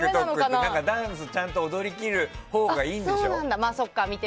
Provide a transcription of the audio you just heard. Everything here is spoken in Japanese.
ダンス、ちゃんと踊りきるほうがいいんでしょ。